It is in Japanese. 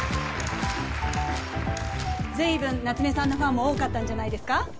随分夏目さんのファンも多かったんじゃないですか？